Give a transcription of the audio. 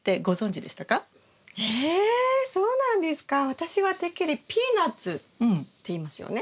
私はてっきりピーナツっていいますよね。